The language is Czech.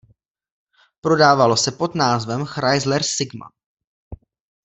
Prodávalo se pod názvem Chrysler Sigma.